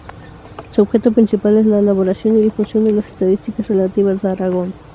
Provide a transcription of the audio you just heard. Su objeto principal es la elaboración y difusión de las estadísticas relativas a Aragón.